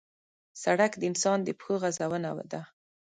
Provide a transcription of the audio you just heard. سړک د انسان د پښو غزونه ده.